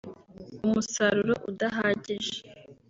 umusaruro udahagije